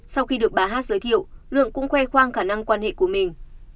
sau khi được bà hát giới thiệu lượng cũng khoe khoang khả năng quan hệ của mình